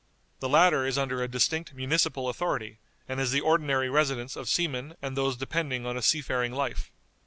The latter is under a distinct municipal authority, and is the ordinary residence of seamen and those depending on a seafaring life.